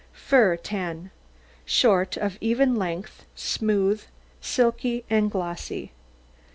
FUR 10 Short, of even length, smooth, silky, and glossy.